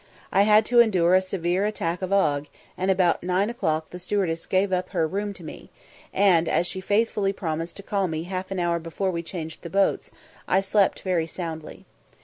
I had to endure a severe attack of ague, and about nine o'clock the stewardess gave up her room to me, and, as she faithfully promised to call me half an hour before we changed the boats, I slept very soundly.